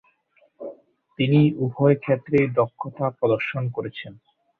তিনি উভয়ক্ষেত্রেই দক্ষতা প্রদর্শন করেছেন।